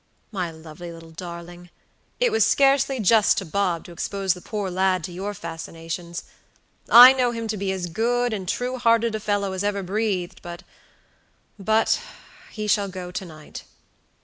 My lovely little darling, it was scarcely just to Bob to expose the poor lad to your fascinations. I know him to be as good and true hearted a fellow as ever breathed, butbuthe shall go tonight."